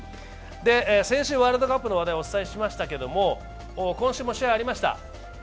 先週、ワールドカップの話題をお伝えしましたが今週も試合がありました。